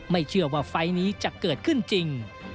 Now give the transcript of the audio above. ไม่เชื่อว่าไฟล์นี้จะเกิดขึ้นจริง